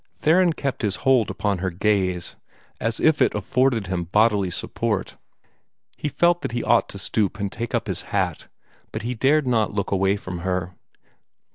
Theron kept his hold upon her gaze, as if it afforded him bodily support. He felt that he ought to stoop and take up his hat, but he dared not look away from her.